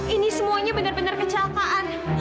ini semuanya benar benar kecelakaan